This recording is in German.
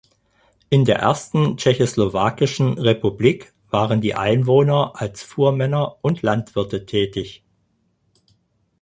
In der ersten tschechoslowakischen Republik waren die Einwohner als Fuhrmänner und Landwirte tätig.